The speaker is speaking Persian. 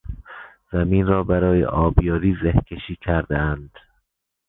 زمین را برای آبیاری زهکشی کردهاند.